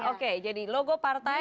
oke jadi logo partai